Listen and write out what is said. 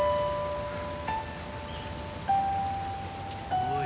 おい。